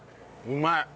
うまい！